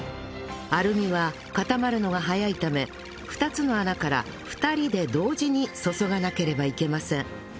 アルミは固まるのが早いため２つの穴から２人で同時に注がなければいけません